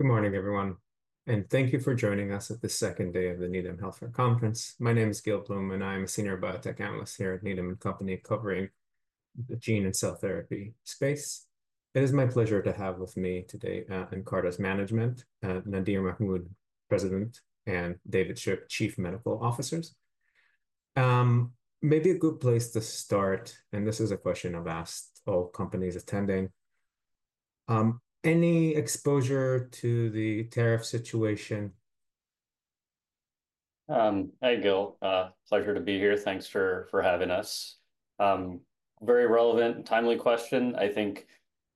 Good morning, everyone, and thank you for joining us at the second day of the Needham Healthcare Conference. My name is Gil Blum, and I'm a senior biotech analyst here at Needham & Company covering the gene and cell therapy space. It is my pleasure to have with me today Nkarta's management, Nadir Mahmood, President, and David Shook, Chief Medical Officer. Maybe a good place to start, and this is a question I've asked all companies attending: any exposure to the tariff situation? Hi, Gil. Pleasure to be here. Thanks for having us. Very relevant and timely question. I think,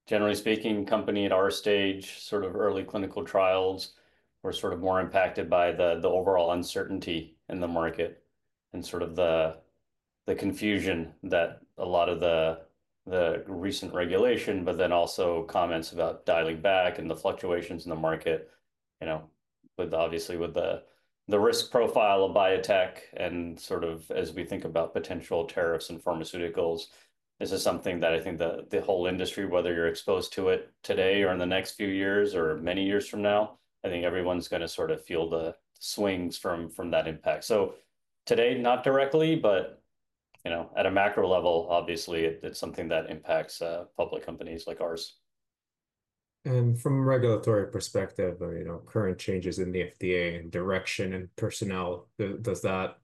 generally speaking, companies at our stage, sort of early clinical trials, we're sort of more impacted by the overall uncertainty in the market and sort of the confusion that a lot of the recent regulation, but then also comments about dialing back and the fluctuations in the market, you know, with obviously with the risk profile of biotech. As we think about potential tariffs and pharmaceuticals, this is something that I think the whole industry, whether you're exposed to it today or in the next few years or many years from now, I think everyone's going to sort of feel the swings from that impact. Today, not directly, but you know, at a macro level, obviously, it's something that impacts public companies like ours. From a regulatory perspective, you know, current changes in the FDA and direction and personnel, does that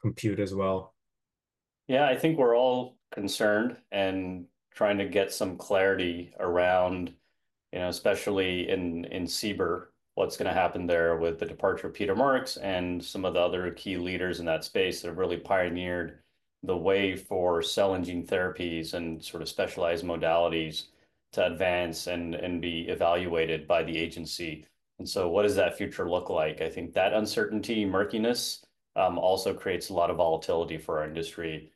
compute as well? Yeah, I think we're all concerned and trying to get some clarity around, you know, especially in CBER, what's going to happen there with the departure of Peter Marks and some of the other key leaders in that space that have really pioneered the way for cell and gene therapies and sort of specialized modalities to advance and be evaluated by the agency. What does that future look like? I think that uncertainty, murkiness also creates a lot of volatility for our industry.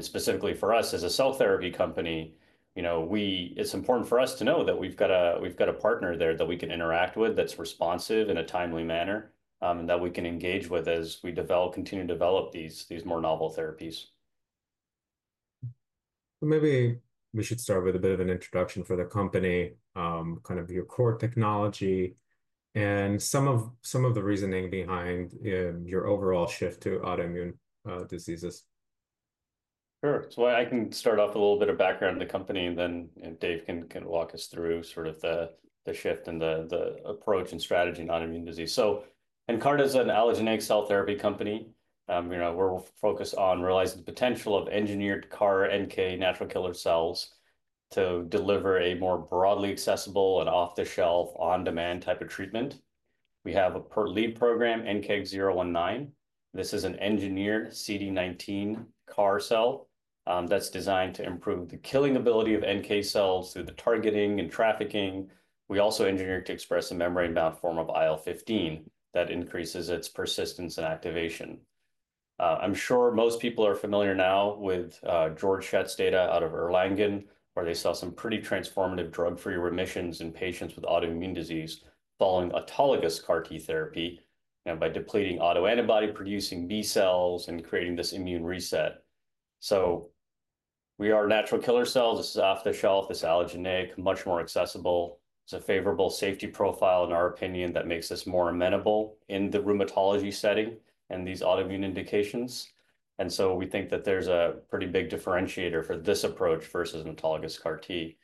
Specifically for us as a cell therapy company, you know, it's important for us to know that we've got a partner there that we can interact with that's responsive in a timely manner and that we can engage with as we continue to develop these more novel therapies. Maybe we should start with a bit of an introduction for the company, kind of your core technology and some of the reasoning behind your overall shift to autoimmune diseases. Sure. I can start off with a little bit of background on the company, and then Dave can walk us through sort of the shift and the approach and strategy in autoimmune disease. Nkarta is an allogeneic cell therapy company. You know, we're focused on realizing the potential of engineered CAR-NK, natural killer cells to deliver a more broadly accessible and off-the-shelf, on-demand type of treatment. We have a lead program, NK019. This is an engineered CD19 CAR cell that's designed to improve the killing ability of NK cells through the targeting and trafficking. We also engineer it to express a membrane-bound form of IL-15 that increases its persistence and activation. I'm sure most people are familiar now with Georg Schett's data out of Erlangen, where they saw some pretty transformative drug-free remissions in patients with autoimmune disease following autologous CAR-T therapy and by depleting autoantibody-producing B cells and creating this immune reset. We are natural killer cells. This is off-the-shelf. This is allogeneic, much more accessible. It's a favorable safety profile, in our opinion, that makes us more amenable in the rheumatology setting and these autoimmune indications. We think that there's a pretty big differentiator for this approach versus an autologous CAR-T.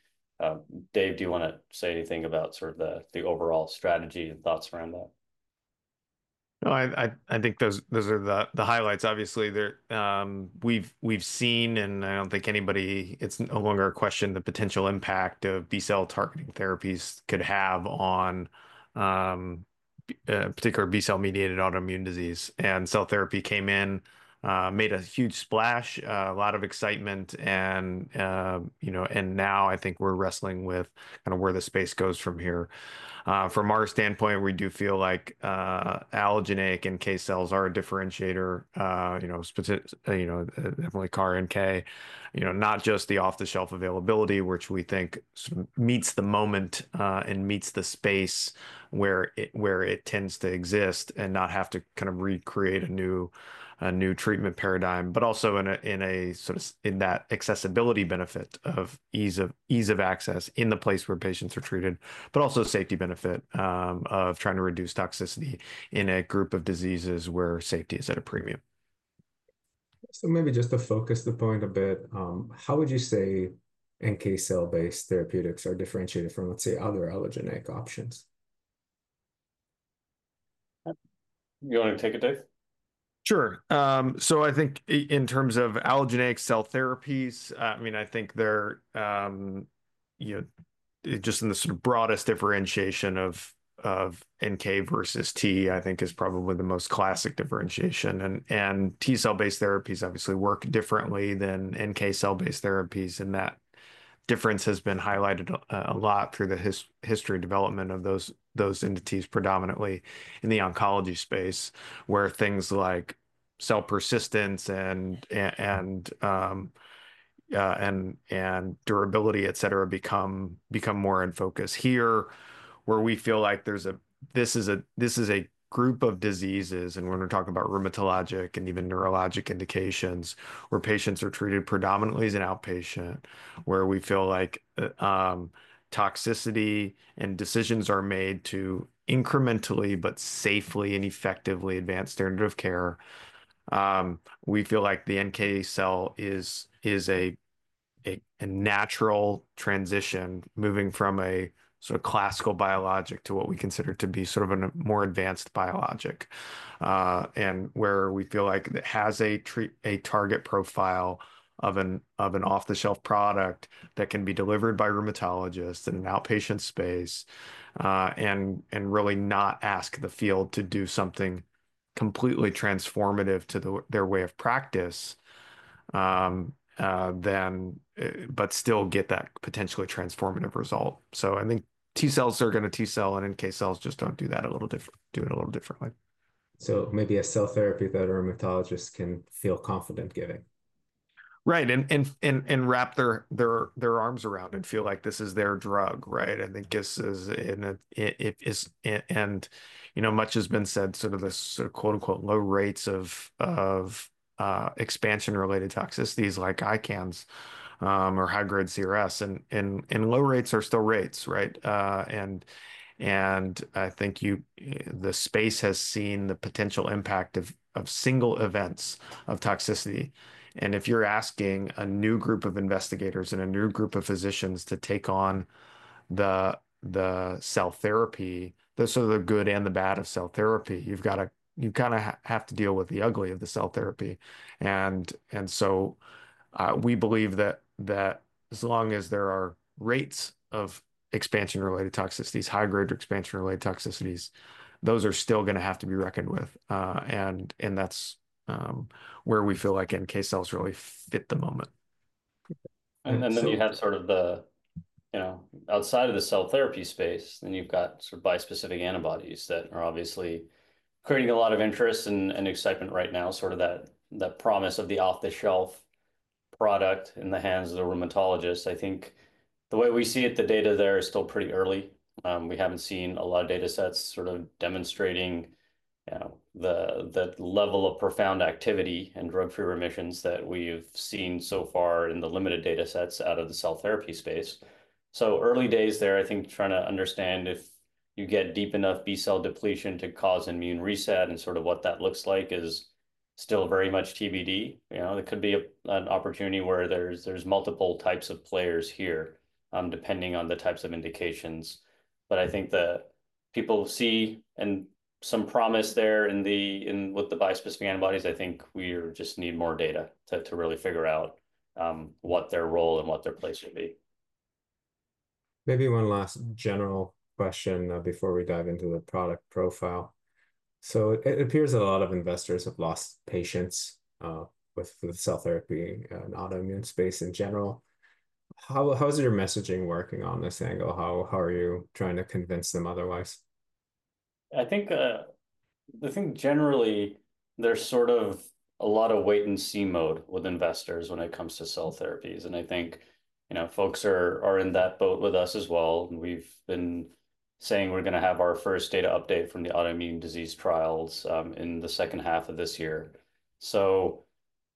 Dave, do you want to say anything about sort of the overall strategy and thoughts around that? No, I think those are the highlights. Obviously, we've seen, and I don't think anybody, it's no longer a question, the potential impact of B cell targeting therapies could have on particular B cell-mediated autoimmune disease. Cell therapy came in, made a huge splash, a lot of excitement, and now I think we're wrestling with kind of where the space goes from here. From our standpoint, we do feel like allogeneic NK cells are a differentiator, you know, definitely CAR-NK, you know, not just the off-the-shelf availability, which we think meets the moment and meets the space where it tends to exist and not have to kind of recreate a new treatment paradigm, but also in a sort of that accessibility benefit of ease of access in the place where patients are treated, but also safety benefit of trying to reduce toxicity in a group of diseases where safety is at a premium. Maybe just to focus the point a bit, how would you say NK cell-based therapeutics are differentiated from, let's say, other allogeneic options? You want to take it, Dave? Sure. I think in terms of allogeneic cell therapies, I mean, I think they're, you know, just in the sort of broadest differentiation of NK versus T, I think is probably the most classic differentiation. T cell-based therapies obviously work differently than NK cell-based therapies, and that difference has been highlighted a lot through the history and development of those entities predominantly in the oncology space, where things like cell persistence and durability, et cetera, become more in focus. Here, where we feel like this is a group of diseases, and when we're talking about rheumatologic and even neurologic indications, where patients are treated predominantly as an outpatient, where we feel like toxicity and decisions are made to incrementally but safely and effectively advance standard of care, we feel like the NK cell is a natural transition moving from a sort of classical biologic to what we consider to be sort of a more advanced biologic, and where we feel like it has a target profile of an off-the-shelf product that can be delivered by rheumatologists in an outpatient space and really not ask the field to do something completely transformative to their way of practice, but still get that potentially transformative result. I think T cells are going to T cell, and NK cells just don't do that a little different, do it a little differently. Maybe a cell therapy that a rheumatologist can feel confident giving. Right. Wrap their arms around and feel like this is their drug, right? I think this is, and you know, much has been said, sort of the sort of quote-unquote low rates of expansion-related toxicities like ICANS or high-grade CRS, and low rates are still rates, right? I think the space has seen the potential impact of single events of toxicity. If you're asking a new group of investigators and a new group of physicians to take on the cell therapy, there's sort of the good and the bad of cell therapy. You've got to kind of have to deal with the ugly of the cell therapy. We believe that as long as there are rates of expansion-related toxicities, high-grade expansion-related toxicities, those are still going to have to be reckoned with. That's where we feel like NK cells really fit the moment. You have sort of the, you know, outside of the cell therapy space, then you've got sort of bispecific antibodies that are obviously creating a lot of interest and excitement right now, sort of that promise of the off-the-shelf product in the hands of the rheumatologists. I think the way we see it, the data there is still pretty early. We haven't seen a lot of data sets sort of demonstrating the level of profound activity and drug-free remissions that we've seen so far in the limited data sets out of the cell therapy space. Early days there, I think trying to understand if you get deep enough B cell depletion to cause immune reset and sort of what that looks like is still very much TBD. You know, there could be an opportunity where there's multiple types of players here depending on the types of indications. I think that people see some promise there in what the bispecific antibodies, I think we just need more data to really figure out what their role and what their place would be. Maybe one last general question before we dive into the product profile. It appears a lot of investors have lost patience with the cell therapy and autoimmune space in general. How is your messaging working on this angle? How are you trying to convince them otherwise? I think generally there's sort of a lot of wait-and-see mode with investors when it comes to cell therapies. I think, you know, folks are in that boat with us as well. We've been saying we're going to have our first data update from the autoimmune disease trials in the second half of this year.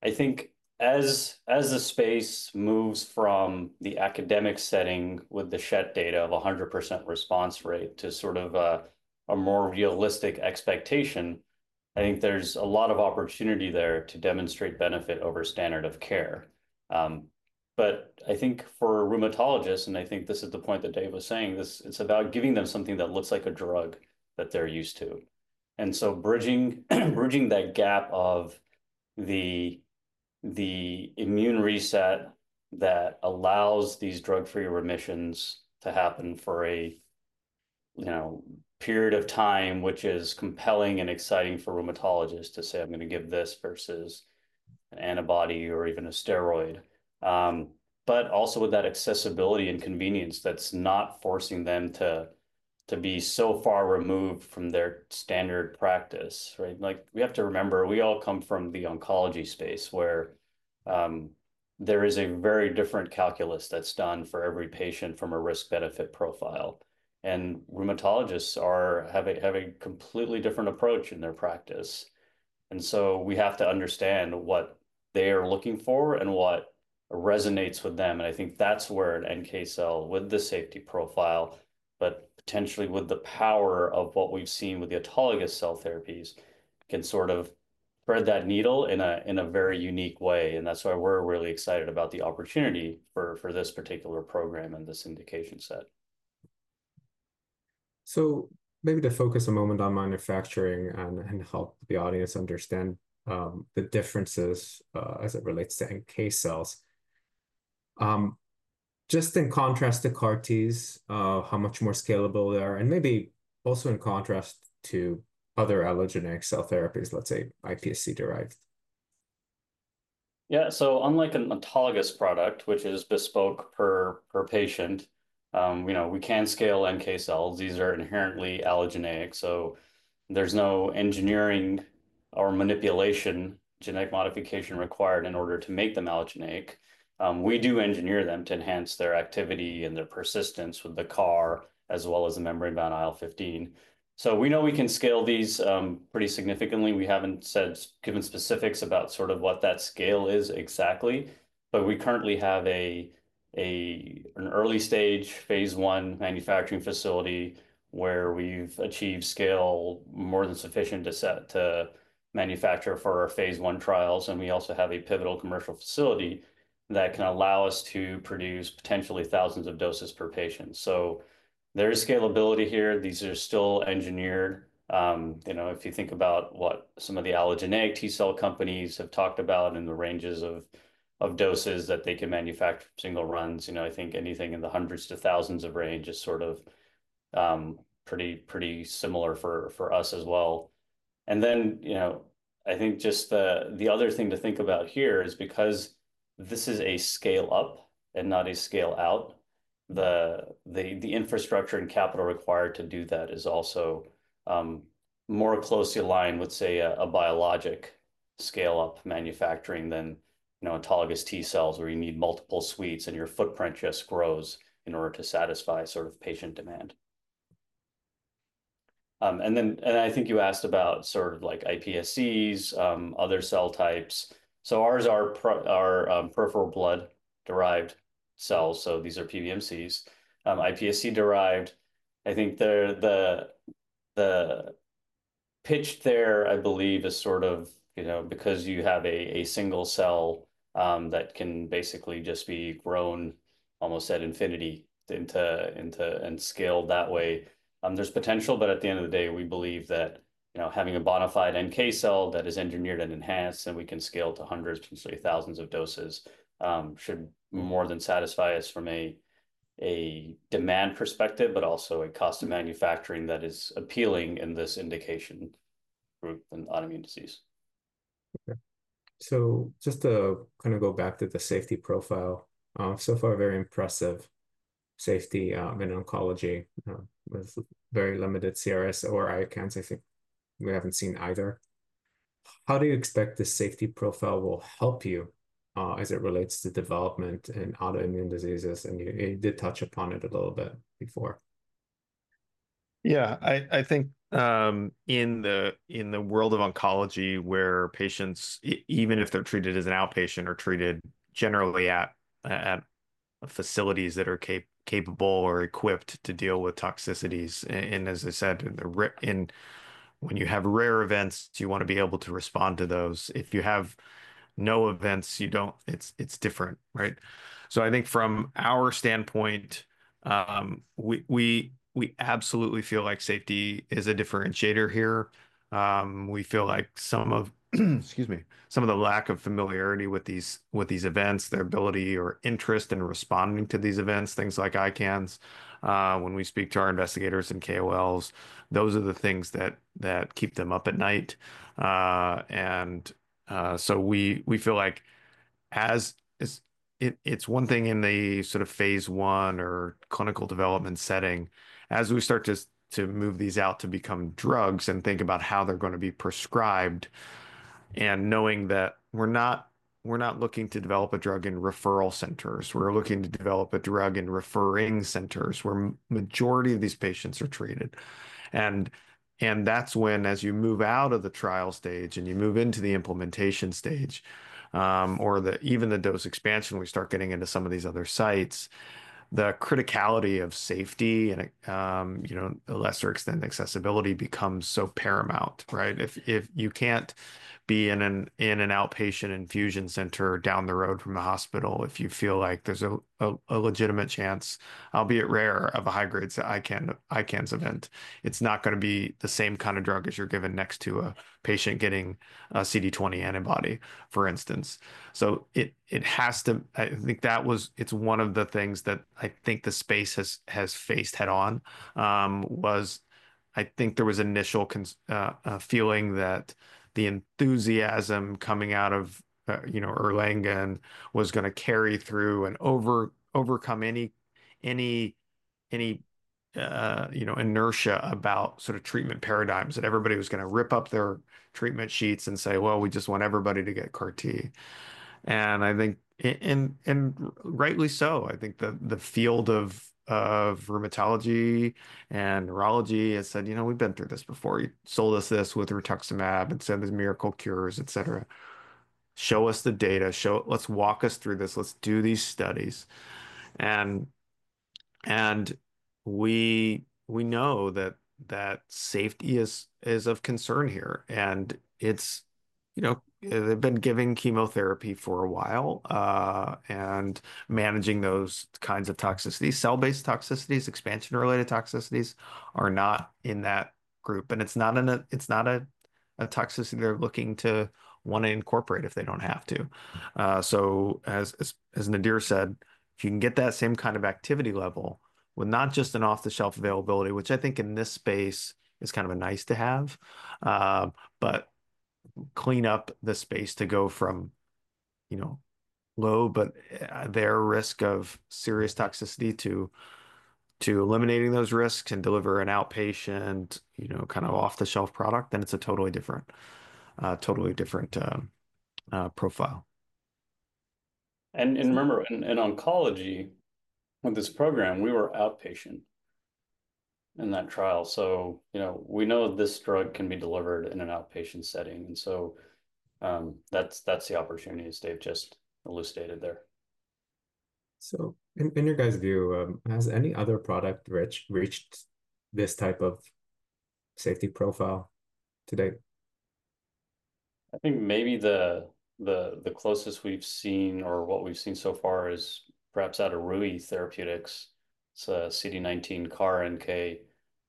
I think as the space moves from the academic setting with the Schett data of 100% response rate to sort of a more realistic expectation, I think there's a lot of opportunity there to demonstrate benefit over standard of care. I think for rheumatologists, and I think this is the point that Dave was saying, it's about giving them something that looks like a drug that they're used to. Bridging that gap of the immune reset that allows these drug-free remissions to happen for a, you know, period of time, which is compelling and exciting for rheumatologists to say, "I'm going to give this versus an antibody or even a steroid." Also with that accessibility and convenience that's not forcing them to be so far removed from their standard practice, right? We have to remember, we all come from the oncology space where there is a very different calculus that's done for every patient from a risk-benefit profile. Rheumatologists have a completely different approach in their practice. We have to understand what they are looking for and what resonates with them. I think that's where an NK cell with the safety profile, but potentially with the power of what we've seen with the autologous cell therapies, can sort of thread that needle in a very unique way. That's why we're really excited about the opportunity for this particular program and this indication set. Maybe to focus a moment on manufacturing and help the audience understand the differences as it relates to NK cells. Just in contrast to CAR Ts, how much more scalable they are, and maybe also in contrast to other allogeneic cell therapies, let's say IPSC-derived? Yeah. So unlike an autologous product, which is bespoke per patient, you know, we can scale NK cells. These are inherently allogeneic. So there's no engineering or manipulation, genetic modification required in order to make them allogeneic. We do engineer them to enhance their activity and their persistence with the CAR as well as the membrane-bound IL-15. So we know we can scale these pretty significantly. We haven't given specifics about sort of what that scale is exactly, but we currently have an early stage phase one manufacturing facility where we've achieved scale more than sufficient to manufacture for our phase one trials. We also have a pivotal commercial facility that can allow us to produce potentially thousands of doses per patient. There is scalability here. These are still engineered. You know, if you think about what some of the allogeneic T cell companies have talked about in the ranges of doses that they can manufacture single runs, you know, I think anything in the hundreds to thousands of range is sort of pretty similar for us as well. You know, I think just the other thing to think about here is because this is a scale-up and not a scale-out, the infrastructure and capital required to do that is also more closely aligned with, say, a biologic scale-up manufacturing than autologous T cells where you need multiple suites and your footprint just grows in order to satisfy sort of patient demand. I think you asked about sort of like IPSCs, other cell types. Ours are peripheral blood-derived cells. These are PBMCs. IPSC-derived, I think the pitch there, I believe, is sort of, you know, because you have a single cell that can basically just be grown almost at infinity and scaled that way. There's potential, but at the end of the day, we believe that having a bona fide NK cell that is engineered and enhanced and we can scale to hundreds, potentially thousands of doses should more than satisfy us from a demand perspective, but also a cost of manufacturing that is appealing in this indication group in autoimmune disease. Okay. Just to kind of go back to the safety profile, so far very impressive safety in oncology with very limited CRS or ICANS. I think we haven't seen either. How do you expect the safety profile will help you as it relates to development in autoimmune diseases? You did touch upon it a little bit before. Yeah, I think in the world of oncology where patients, even if they're treated as an outpatient or treated generally at facilities that are capable or equipped to deal with toxicities. As I said, when you have rare events, you want to be able to respond to those. If you have no events, it's different, right? I think from our standpoint, we absolutely feel like safety is a differentiator here. We feel like some of, excuse me, some of the lack of familiarity with these events, their ability or interest in responding to these events, things like ICANS, when we speak to our investigators and KOLs, those are the things that keep them up at night. We feel like it's one thing in the sort of phase one or clinical development setting, as we start to move these out to become drugs and think about how they're going to be prescribed, and knowing that we're not looking to develop a drug in referral centers. We're looking to develop a drug in referring centers where the majority of these patients are treated. That's when as you move out of the trial stage and you move into the implementation stage or even the dose expansion, we start getting into some of these other sites, the criticality of safety and, you know, to a lesser extent accessibility becomes so paramount, right? If you can't be in an outpatient infusion center down the road from the hospital, if you feel like there's a legitimate chance, albeit rare, of a high-grade ICANS event, it's not going to be the same kind of drug as you're given next to a patient getting a CD20 antibody, for instance. It has to, I think that was, it's one of the things that I think the space has faced head-on was, I think there was initial feeling that the enthusiasm coming out of, you know, Erlangen was going to carry through and overcome any, you know, inertia about sort of treatment paradigms that everybody was going to rip up their treatment sheets and say, "Well, we just want everybody to get CAR-T." I think, and rightly so, I think the field of rheumatology and neurology has said, "You know, we've been through this before. You sold us this with rituximab and said there's miracle cures, et cetera. Show us the data. Let's walk us through this. Let's do these studies. We know that safety is of concern here. It's, you know, they've been giving chemotherapy for a while and managing those kinds of toxicities. Cell-based toxicities, expansion-related toxicities are not in that group. It's not a toxicity they're looking to want to incorporate if they don't have to. As Nadir said, if you can get that same kind of activity level with not just an off-the-shelf availability, which I think in this space is kind of a nice to have, but clean up the space to go from, you know, low, but there are risks of serious toxicity to eliminating those risks and deliver an outpatient, you know, kind of off-the-shelf product, then it's a totally different, totally different profile. Remember, in oncology with this program, we were outpatient in that trial. You know, we know this drug can be delivered in an outpatient setting. That is the opportunity as Dave just elucidated there. In your guys' view, has any other product reached this type of safety profile today? I think maybe the closest we've seen or what we've seen so far is perhaps out of Ruyi Therapeutics. It's a CD19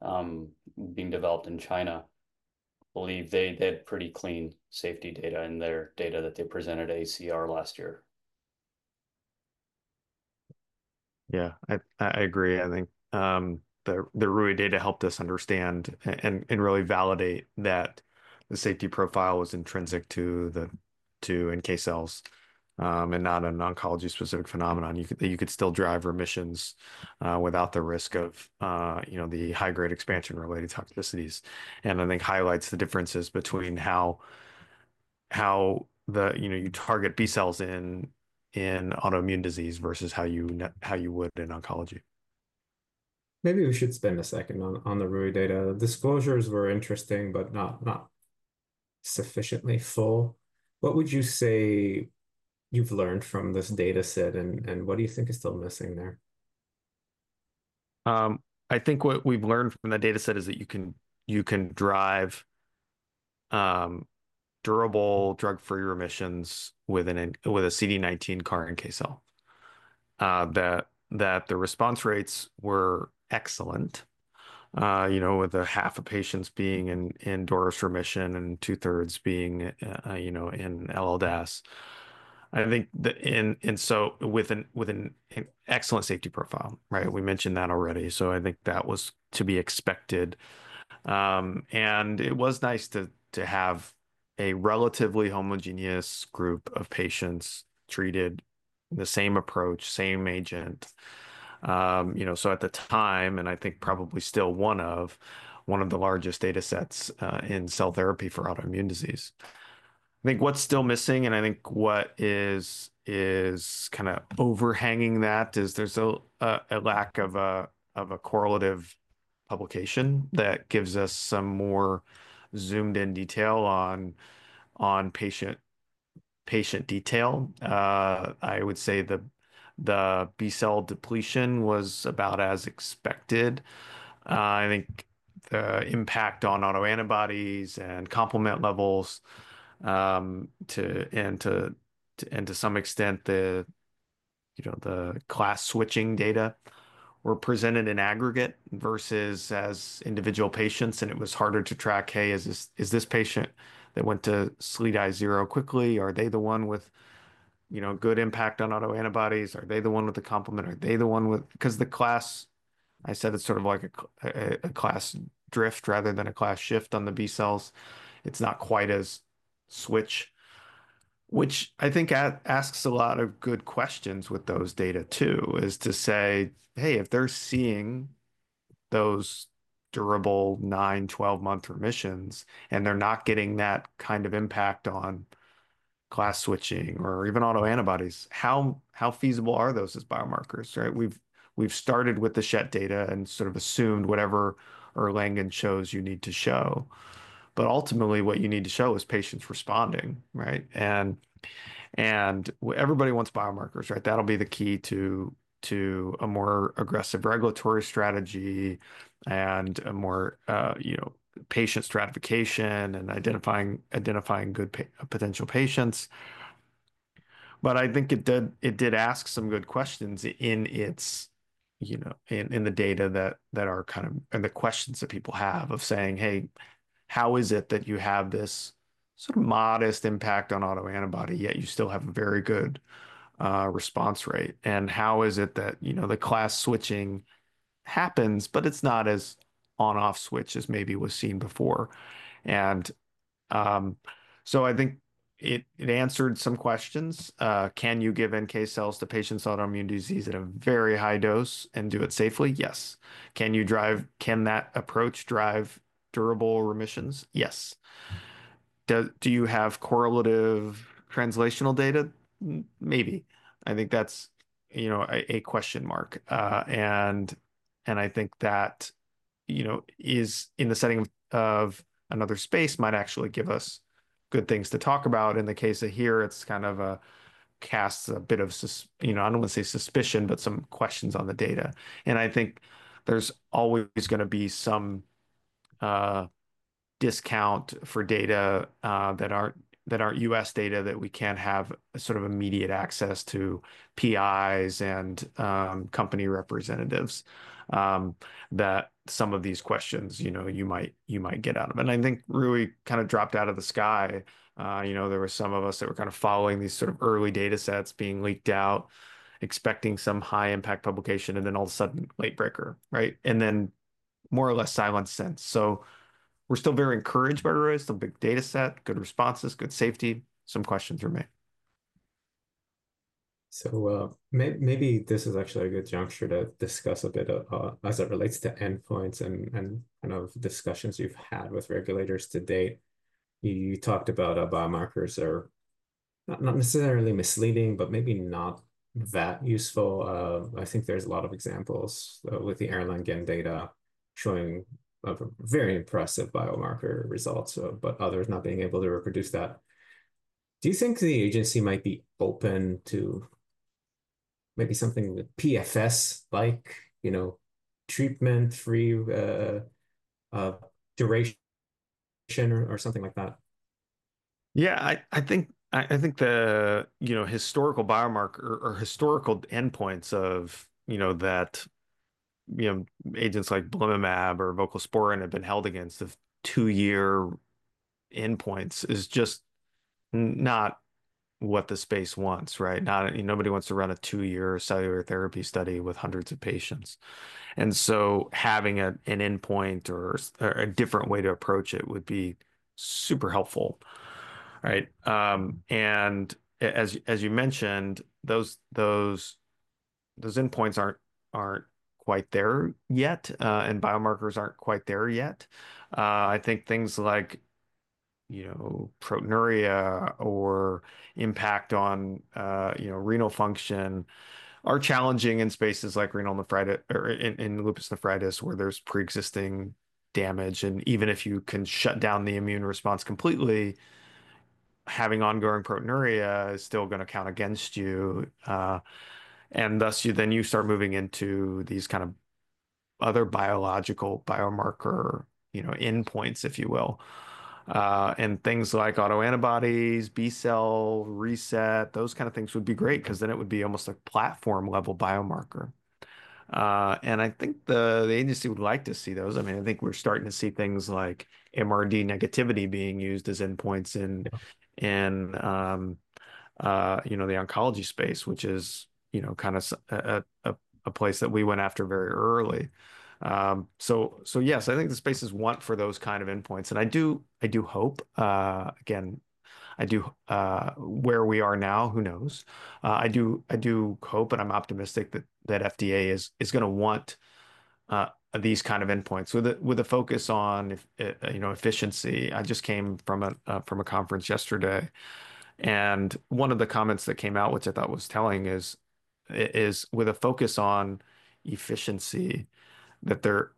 CAR-NK being developed in China. I believe they had pretty clean safety data in their data that they presented to ACR last year. Yeah, I agree. I think the Ruyi data helped us understand and really validate that the safety profile was intrinsic to NK cells and not an oncology-specific phenomenon. You could still drive remissions without the risk of, you know, the high-grade expansion-related toxicities. I think it highlights the differences between how, you know, you target B cells in autoimmune disease versus how you would in oncology. Maybe we should spend a second on the Ruyi data. The disclosures were interesting, but not sufficiently full. What would you say you've learned from this data set and what do you think is still missing there? I think what we've learned from the data set is that you can drive durable drug-free remissions with a CD19 CAR-NK cell. That the response rates were excellent, you know, with half of patients being in endorse remission and two-thirds being, you know, in LLDAS. I think that, and with an excellent safety profile, right? We mentioned that already. I think that was to be expected. It was nice to have a relatively homogeneous group of patients treated, the same approach, same agent. You know, at the time, and I think probably still, one of the largest data sets in cell therapy for autoimmune disease. I think what's still missing, and I think what is kind of overhanging that is there's a lack of a correlative publication that gives us some more zoomed-in detail on patient detail. I would say the B cell depletion was about as expected. I think the impact on autoantibodies and complement levels and to some extent the, you know, the class switching data were presented in aggregate versus as individual patients. It was harder to track, hey, is this patient that went to SLEDAI 0 quickly, are they the one with, you know, good impact on autoantibodies? Are they the one with the complement? Are they the one with, because the class, I said it's sort of like a class drift rather than a class shift on the B cells. It's not quite as switch, which I think asks a lot of good questions with those data too, is to say, hey, if they're seeing those durable 9, 12-month remissions and they're not getting that kind of impact on class switching or even autoantibodies, how feasible are those as biomarkers, right? We've started with the Schett data and sort of assumed whatever Erlangen shows you need to show. Ultimately, what you need to show is patients responding, right? Everybody wants biomarkers, right? That'll be the key to a more aggressive regulatory strategy and a more, you know, patient stratification and identifying good potential patients. I think it did ask some good questions in its, you know, in the data that are kind of, and the questions that people have of saying, hey, how is it that you have this sort of modest impact on autoantibody, yet you still have a very good response rate? How is it that, you know, the class switching happens, but it's not as on-off switch as maybe was seen before? I think it answered some questions. Can you give NK cells to patients with autoimmune disease at a very high dose and do it safely? Yes. Can you drive, can that approach drive durable remissions? Yes. Do you have correlative translational data? Maybe. I think that's, you know, a question mark. I think that, you know, is in the setting of another space might actually give us good things to talk about. In the case of here, it kind of casts a bit of, you know, I don't want to say suspicion, but some questions on the data. I think there's always going to be some discount for data that aren't US data that we can't have sort of immediate access to PIs and company representatives that some of these questions, you know, you might get out of. I think Ruyi kind of dropped out of the sky. You know, there were some of us that were kind of following these sort of early data sets being leaked out, expecting some high-impact publication, and then all of a sudden, late breaker, right? More or less silent since. We are still very encouraged by Ruyi. It is still a big data set, good responses, good safety, some questions remain. Maybe this is actually a good juncture to discuss a bit as it relates to endpoints and kind of discussions you've had with regulators to date. You talked about biomarkers are not necessarily misleading, but maybe not that useful. I think there's a lot of examples with the Erlangen data showing very impressive biomarker results, but others not being able to reproduce that. Do you think the agency might be open to maybe something PFS-like, you know, treatment-free duration or something like that? Yeah, I think the, you know, historical biomarker or historical endpoints of, you know, that, you know, agents like Belimumab or Voclosporin have been held against of two-year endpoints is just not what the space wants, right? Nobody wants to run a two-year cellular therapy study with hundreds of patients. Having an endpoint or a different way to approach it would be super helpful, right? As you mentioned, those endpoints aren't quite there yet, and biomarkers aren't quite there yet. I think things like, you know, proteinuria or impact on, you know, renal function are challenging in spaces like renal nephritis or in lupus nephritis where there's pre-existing damage. Even if you can shut down the immune response completely, having ongoing proteinuria is still going to count against you. Thus you then start moving into these kind of other biological biomarker, you know, endpoints, if you will. Things like autoantibodies, B cell reset, those kind of things would be great because then it would be almost a platform-level biomarker. I think the agency would like to see those. I mean, I think we're starting to see things like MRD negativity being used as endpoints in, you know, the oncology space, which is, you know, kind of a place that we went after very early. Yes, I think the space is want for those kind of endpoints. I do hope, again, I do, where we are now, who knows? I do hope and I'm optimistic that FDA is going to want these kind of endpoints with a focus on, you know, efficiency. I just came from a conference yesterday. One of the comments that came out, which I thought was telling, is with a focus on efficiency, that there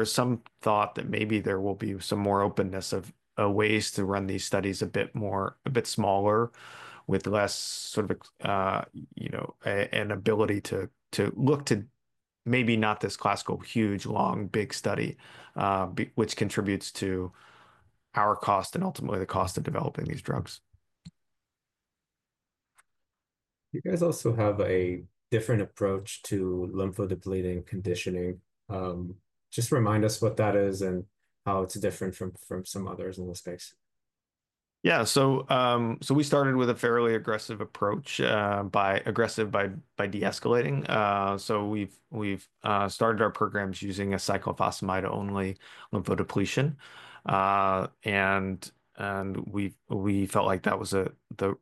is some thought that maybe there will be some more openness of ways to run these studies a bit smaller, with less sort of, you know, an ability to look to maybe not this classical, huge, long, big study, which contributes to our cost and ultimately the cost of developing these drugs. You guys also have a different approach to lymphodepleting conditioning. Just remind us what that is and how it's different from some others in the space. Yeah, we started with a fairly aggressive approach by aggressive by de-escalating. We started our programs using a cyclophosphamide-only lymphodepletion. We felt like that was the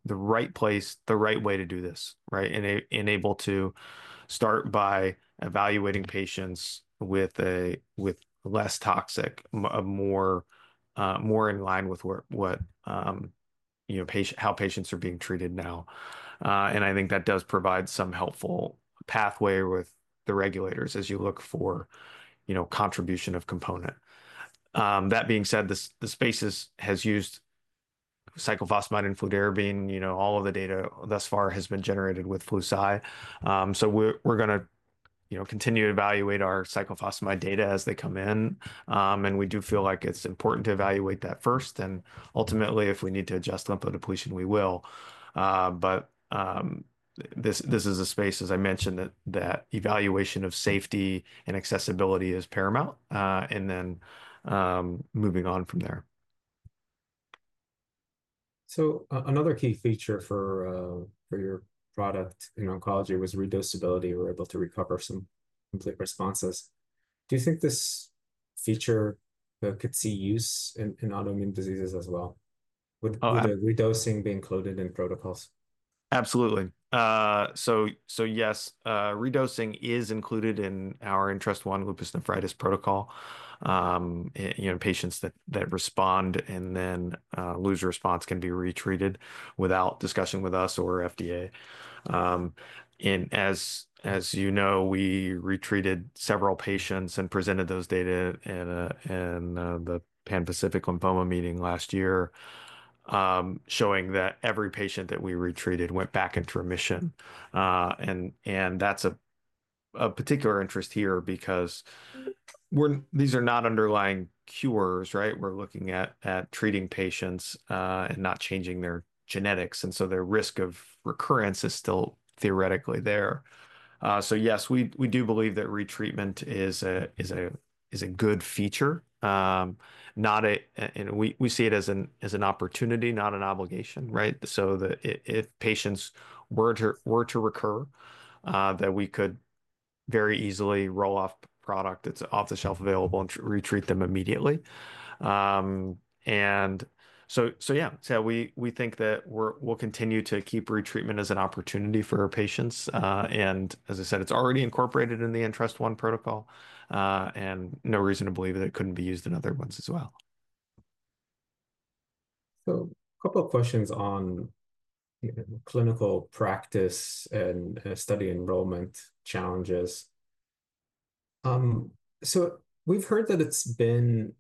right place, the right way to do this, right? Able to start by evaluating patients with less toxic, more in line with what, you know, how patients are being treated now. I think that does provide some helpful pathway with the regulators as you look for, you know, contribution of component. That being said, the space has used cyclophosphamide and fludarabine, you know, all of the data thus far has been generated with fludarabine. We're going to, you know, continue to evaluate our cyclophosphamide data as they come in. We do feel like it's important to evaluate that first. Ultimately, if we need to adjust lymphodepletion, we will. This is a space, as I mentioned, that evaluation of safety and accessibility is paramount. And then moving on from there. Another key feature for your product in oncology was redoability. We were able to recover some complete responses. Do you think this feature could see use in autoimmune diseases as well? Would redosing be included in protocols? Absolutely. Yes, redosing is included in our INTREST-1 lupus nephritis protocol. You know, patients that respond and then lose response can be retreated without discussion with us or FDA. As you know, we retreated several patients and presented those data in the Pan-Pacific Lymphoma meeting last year, showing that every patient that we retreated went back into remission. That is of particular interest here because these are not underlying cures, right? We are looking at treating patients and not changing their genetics. Their risk of recurrence is still theoretically there. Yes, we do believe that retreatment is a good feature. We see it as an opportunity, not an obligation, right? If patients were to recur, we could very easily roll off product that is off-the-shelf available and retreat them immediately. Yeah, we think that we'll continue to keep retreatment as an opportunity for our patients. As I said, it's already incorporated in the INTREST-1 protocol. No reason to believe that it couldn't be used in other ones as well. A couple of questions on clinical practice and study enrollment challenges. We've heard that it's been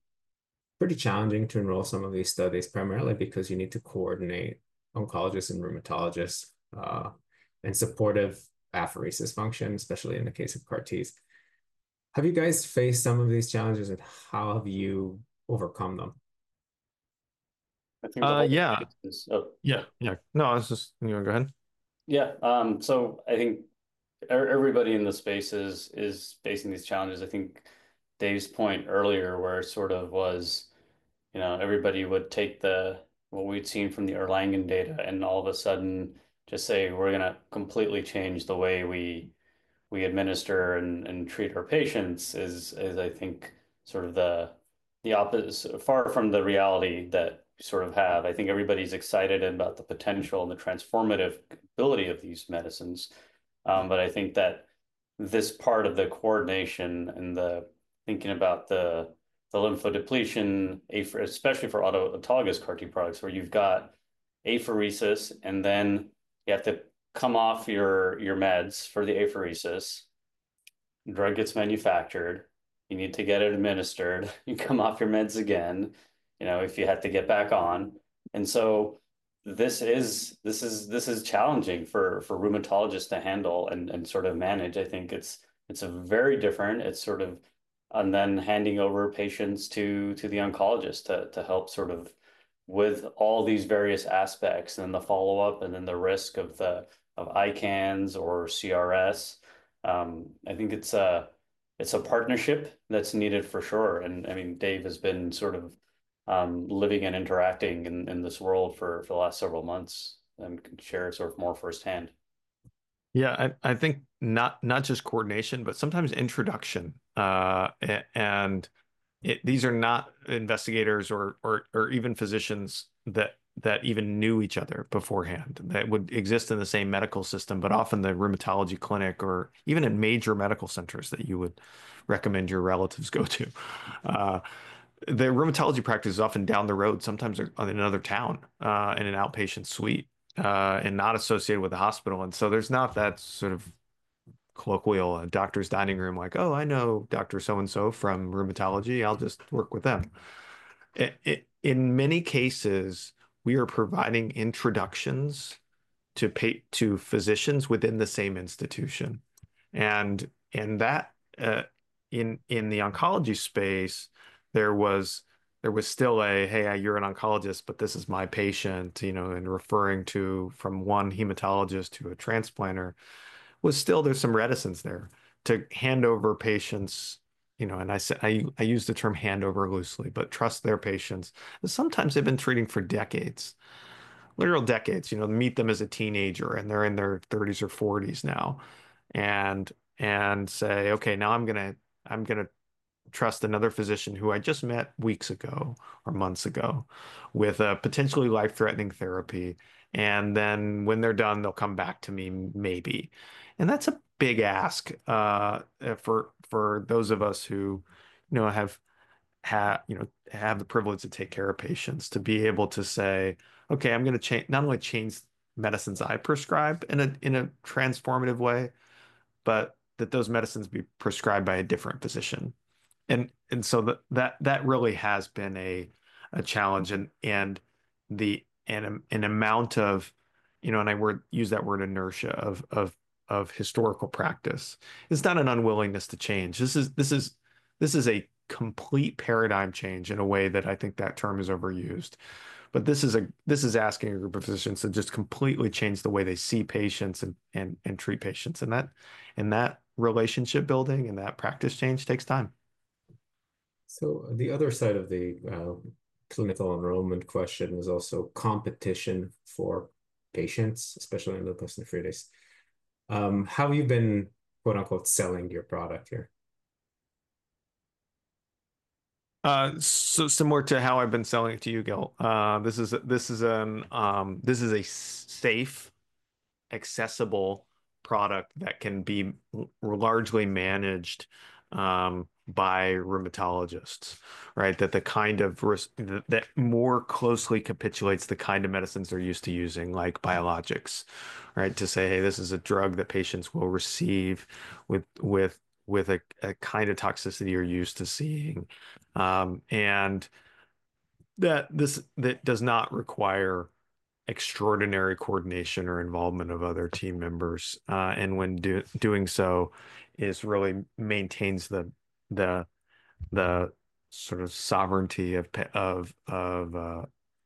pretty challenging to enroll some of these studies, primarily because you need to coordinate oncologists and rheumatologists and supportive apheresis function, especially in the case of CAR-Ts. Have you guys faced some of these challenges and how have you overcome them? Yeah. Yeah. No, I was just, you want to go ahead? Yeah. I think everybody in the space is facing these challenges. I think Dave's point earlier where it sort of was, you know, everybody would take what we'd seen from the Erlangen data and all of a sudden just say, we're going to completely change the way we administer and treat our patients is, I think, sort of the opposite, far from the reality that we sort of have. I think everybody's excited about the potential and the transformative ability of these medicines. I think that this part of the coordination and the thinking about the lymphodepletion, especially for autologous CAR-T products where you've got apheresis and then you have to come off your meds for the apheresis, the drug gets manufactured, you need to get it administered, you come off your meds again, you know, if you have to get back on. This is challenging for rheumatologists to handle and sort of manage. I think it's very different. It's sort of, and then handing over patients to the oncologist to help sort of with all these various aspects and then the follow-up and then the risk of ICANS or CRS. I think it's a partnership that's needed for sure. I mean, Dave has been sort of living and interacting in this world for the last several months and can share sort of more firsthand. Yeah, I think not just coordination, but sometimes introduction. These are not investigators or even physicians that even knew each other beforehand that would exist in the same medical system, but often the rheumatology clinic or even in major medical centers that you would recommend your relatives go to. The rheumatology practice is often down the road, sometimes in another town in an outpatient suite and not associated with the hospital. There is not that sort of colloquial doctor's dining room like, "Oh, I know Dr. So-and-So from rheumatology. I'll just work with them." In many cases, we are providing introductions to physicians within the same institution. In the oncology space, there was still a, "Hey, you're an oncologist, but this is my patient," you know, and referring to from one hematologist to a transplanter. There's still some reticence there to hand over patients, you know, and I use the term hand over loosely, but trust their patients. Sometimes they've been treating for decades, literal decades, you know, meet them as a teenager and they're in their 30s or 40s now and say, "Okay, now I'm going to trust another physician who I just met weeks ago or months ago with a potentially life-threatening therapy." When they're done, they'll come back to me maybe. That's a big ask for those of us who, you know, have the privilege to take care of patients to be able to say, "Okay, I'm going to not only change medicines I prescribe in a transformative way, but that those medicines be prescribed by a different physician." That really has been a challenge. The amount of, you know, and I use that word inertia of historical practice, it's not an unwillingness to change. This is a complete paradigm change in a way that I think that term is overused. This is asking a group of physicians to just completely change the way they see patients and treat patients. That relationship building and that practice change takes time. The other side of the clinical enrollment question is also competition for patients, especially in lupus nephritis. How have you been "selling" your product here? Similar to how I've been selling it to you, Gil. This is a safe, accessible product that can be largely managed by rheumatologists, right? That the kind of risk that more closely capitulates the kind of medicines they're used to using, like biologics, right? To say, "Hey, this is a drug that patients will receive with a kind of toxicity you're used to seeing." That does not require extraordinary coordination or involvement of other team members. When doing so, it really maintains the sort of sovereignty of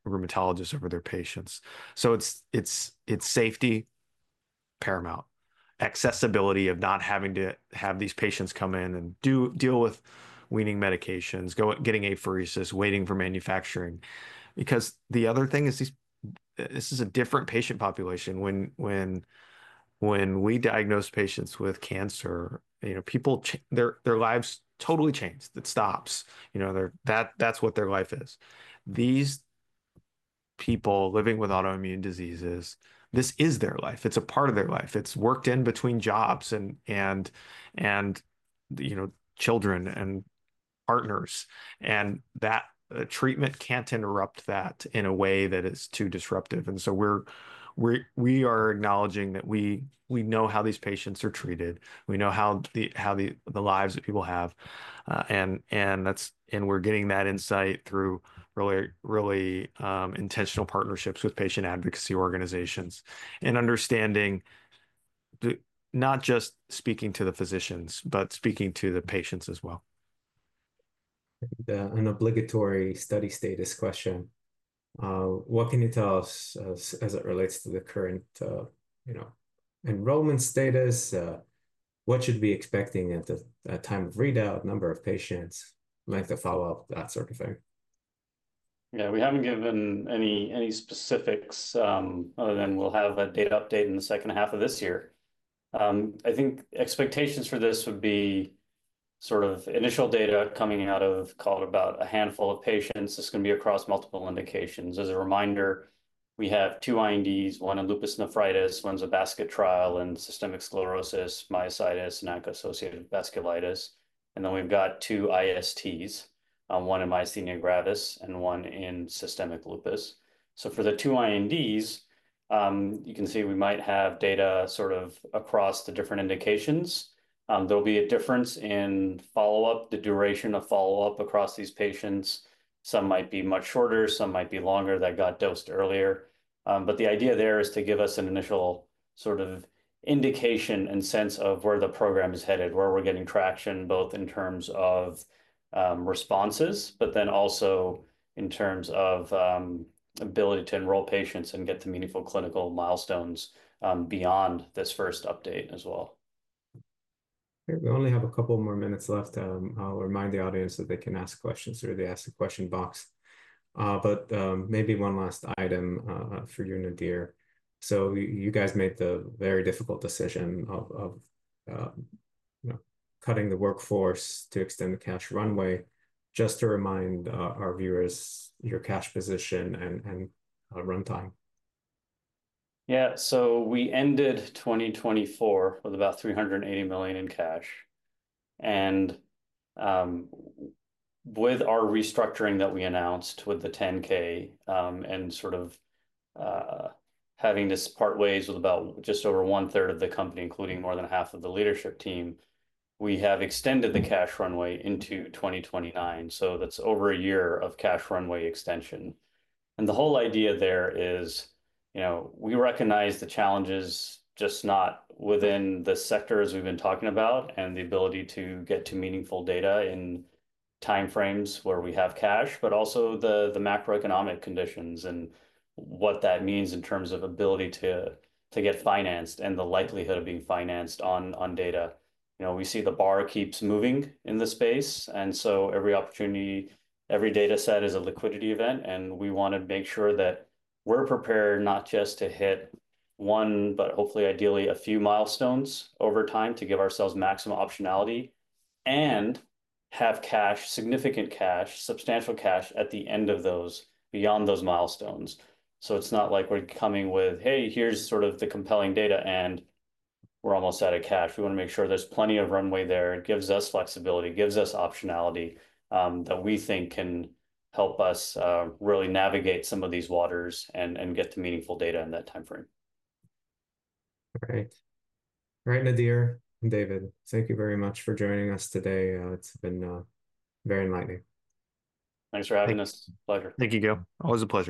rheumatologists over their patients. It's safety paramount. Accessibility of not having to have these patients come in and deal with weaning medications, getting apheresis, waiting for manufacturing. The other thing is this is a different patient population. When we diagnose patients with cancer, you know, people, their lives totally change. It stops. You know, that's what their life is. These people living with autoimmune diseases, this is their life. It's a part of their life. It's worked in between jobs and children and partners. That treatment can't interrupt that in a way that is too disruptive. We are acknowledging that we know how these patients are treated. We know how the lives that people have. We're getting that insight through really intentional partnerships with patient advocacy organizations and understanding not just speaking to the physicians, but speaking to the patients as well. An obligatory study status question. What can you tell us as it relates to the current enrollment status? What should we be expecting at the time of readout, number of patients, length of follow-up, that sort of thing? Yeah, we haven't given any specifics other than we'll have a data update in the second half of this year. I think expectations for this would be sort of initial data coming out of, call it about a handful of patients. This is going to be across multiple indications. As a reminder, we have two INDs, one in lupus nephritis, one's a basket trial in systemic sclerosis, myositis, and ANCA-associated vasculitis. Then we've got two ISTs, one in myasthenia gravis and one in systemic lupus. For the two INDs, you can see we might have data sort of across the different indications. There'll be a difference in follow-up, the duration of follow-up across these patients. Some might be much shorter, some might be longer that got dosed earlier. The idea there is to give us an initial sort of indication and sense of where the program is headed, where we're getting traction both in terms of responses, but then also in terms of ability to enroll patients and get to meaningful clinical milestones beyond this first update as well. We only have a couple more minutes left. I'll remind the audience that they can ask questions through the ask a question box. Maybe one last item for you, Nadir. You guys made the very difficult decision of cutting the workforce to extend the cash runway. Just to remind our viewers, your cash position and runtime. Yeah, we ended 2024 with about $380 million in cash. With our restructuring that we announced with the 10K and sort of having to part ways with about just over one-third of the company, including more than half of the leadership team, we have extended the cash runway into 2029. That is over a year of cash runway extension. The whole idea there is, you know, we recognize the challenges just not within the sectors we have been talking about and the ability to get to meaningful data in timeframes where we have cash, but also the macroeconomic conditions and what that means in terms of ability to get financed and the likelihood of being financed on data. You know, we see the bar keeps moving in the space. Every opportunity, every data set is a liquidity event. We want to make sure that we're prepared not just to hit one, but hopefully, ideally, a few milestones over time to give ourselves maximum optionality and have cash, significant cash, substantial cash at the end of those, beyond those milestones. It is not like we're coming with, "Hey, here's sort of the compelling data," and we're almost out of cash. We want to make sure there's plenty of runway there. It gives us flexibility, gives us optionality that we think can help us really navigate some of these waters and get to meaningful data in that timeframe. Great. All right, Nadir and David, thank you very much for joining us today. It's been very enlightening. Thanks for having us. Pleasure. Thank you, Gil. Always a pleasure.